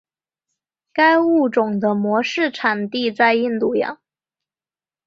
该物种的模式产地在印度洋。